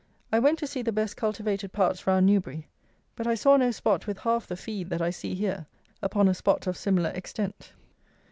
I went to see the best cultivated parts round Newbury; but I saw no spot with half the "feed" that I see here, upon a spot of similar extent.